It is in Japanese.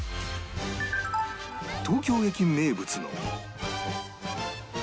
東京駅名物の